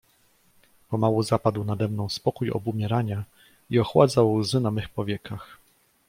"Pomału zapadł nade mną spokój obumierania i ochładzał łzy na mych powiekach."